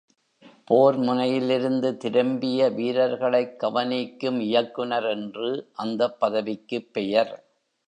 போர் முனையிலிருந்து திரும்பிய வீரர்களைக் கவனிக்கும் இயக்குநர் என்று அந்தப் பதவிக்குப் பெயர்.